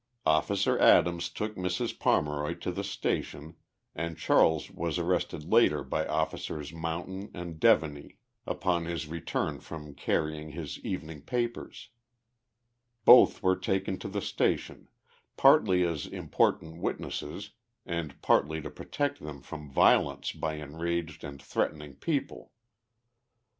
Officer Adams took Mrs. Pomeroy to the station and Charles was arrested later by Officers Mountain and Deveney, 40 THE LIFE OF JESSE HARDING POMEROY. ui)oii his return from carrying liis evening papers. Both were taken to tlie station, partly as important witnesses and partly to protect them from violence by enraged and threatening people."